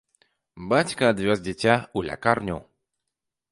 Бацька адвёз дзіця ў лякарню.